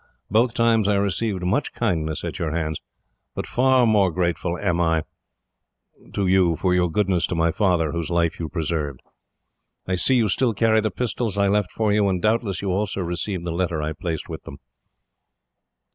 Both times I received much kindness at your hands. But far more grateful am I to you for your goodness to my father, whose life you preserved. "I see you still carry the pistols I left for you, and doubtless you also received the letter I placed with them."